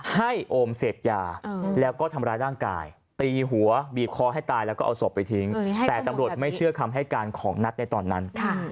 โอมเสพยาแล้วก็ทำร้ายร่างกายตีหัวบีบคอให้ตายแล้วก็เอาศพไปทิ้งแต่ตำรวจไม่เชื่อคำให้การของนัทในตอนนั้น